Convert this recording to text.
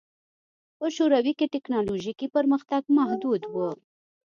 په شوروي کې ټکنالوژیکي پرمختګ محدود و